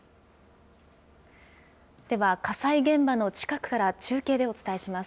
では、火災現場の近くから中継でお伝えします。